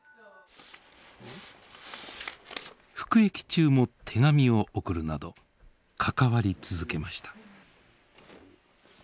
服役中も手紙を送るなど関わり続けました。